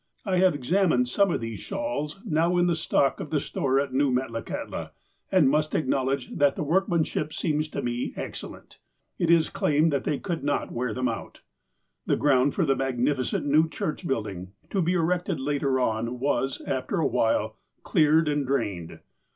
I have examined some of these shawls now in the stock of the store at new Metlakahtla, and must acknowledge that the workmanship seems to me excellent. It is claimed that they could not wear them out. The ground for the magnificent new church building, to be erected later on, was, after a while, cleared and drained.